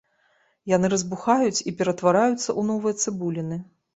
Яны разбухаюць і ператвараюцца ў новыя цыбуліны.